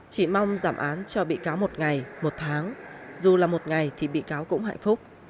chỉ mong giảm án cho bị cáo một ngày một tháng dù là một ngày thì bị cáo cũng hạnh phúc